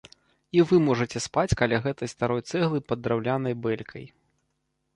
І вы можаце спаць каля гэтай старой цэглы пад драўлянай бэлькай.